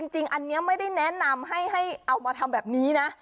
จริงอันนี้ไม่ได้แนะนำให้เอามาทำแบบนี้นะ